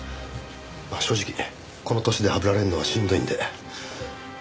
正直この年でハブられるのはしんどいんで。